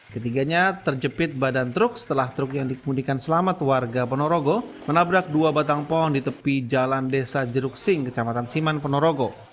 ketiganya terjepit badan truk setelah truk yang dikemudikan selamat warga ponorogo menabrak dua batang pohon di tepi jalan desa jeruk sing kecamatan siman ponorogo